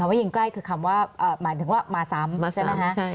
ว่ายิงใกล้คือคำว่าหมายถึงว่ามาซ้ำใช่ไหมคะ